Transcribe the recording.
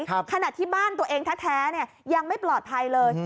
ขนาดที่บ้านตัวเองแท้ยังไม่ปลอดภัยเลย